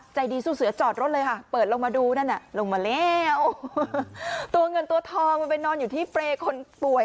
ใจดีสู้เสือจอดรถเลยค่ะเปิดลงมาดูนั่นเนี่ย